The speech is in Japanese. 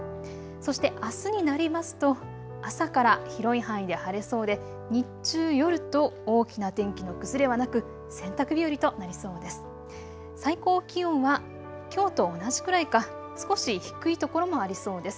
そしてあすになりますと朝から広い範囲で晴れそうで日中、夜と大きな天気の崩れはなく洗濯日和となりそうです。